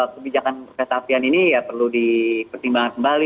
kebijakan kereta apian ini ya perlu dipertimbangkan kembali